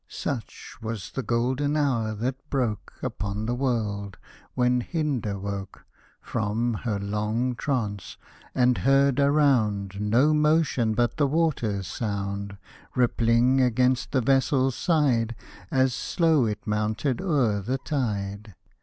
Such was the golden hour that broke Upon the world, when HiNDA woke From her long trance, and heard around No motion but the water's sound Rippling against the vessel's side, As slow it mounted o'er the tide.